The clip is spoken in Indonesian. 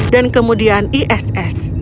dan kemudian iss